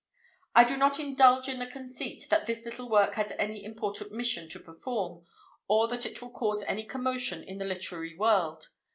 I do not indulge in the conceit that this little work has any important mission to perform, or that it will cause any commotion in the literary world.